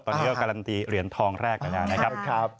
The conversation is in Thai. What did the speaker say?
ตอนนี้ก็การันตีเหรียญทองแรกไปแล้วนะครับ